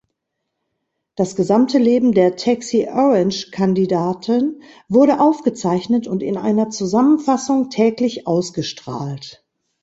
Das gesamte Leben der Taxi-Orange-Kandidaten wurde aufgezeichnet und in einer Zusammenfassung täglich ausgestrahlt.